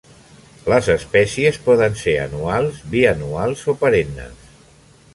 Les espècies poden ser anuals, bianuals o perennes.